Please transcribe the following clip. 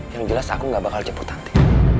yang jelas aku gak bakal jemput nanti